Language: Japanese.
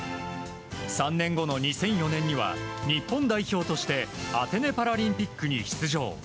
３年後の２００４年には日本代表としてアテネパラリンピックに出場。